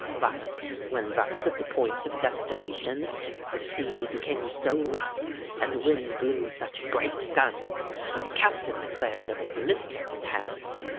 But, when thus at the point of destination, the sea became so rough, and the wind blew such 'great guns,' that the captain declared there was mischief at hand.